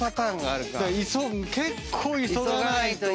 結構急がないと。